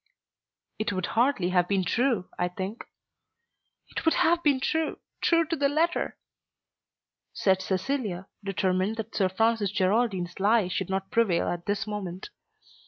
"It would hardly have been true, I think." "It would have been true, true to the letter," said Cecilia, determined that Sir Francis Geraldine's lie should not prevail at this moment.